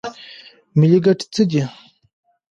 ملي ګټې څه دي؟